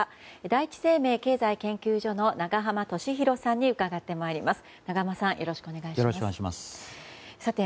第一生命経済研究所の永濱利廣さんに伺っていきます。